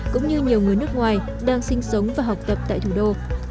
cũng như nhiều người nước ngoài đang sinh sống và học tập tại thủ đô